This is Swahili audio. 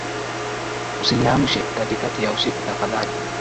Usiniamshe katikati ya usiku tafadhali